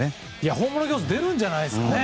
ホームラン競争出るんじゃないですかね。